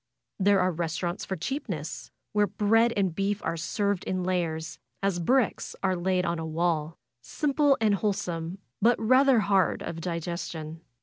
There are res taurants for cheapness, where bread and beef are served in layers, as bricks are laid on a wall ; simple and whole some, but rather hard of digestion.